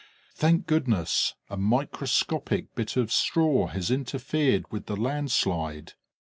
Thank goodness! A microscopic bit of straw has interfered with the landslide.